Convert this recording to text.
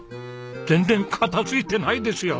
全然片付いてないですよ！